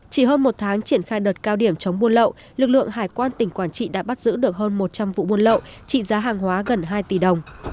chỉ hơn một tháng triển khai đợt cao điểm chống buôn lậu lực lượng hải quan tỉnh quảng trị đã bắt giữ được hơn một trăm linh vụ buôn lậu trị giá hàng hóa gần hai tỷ đồng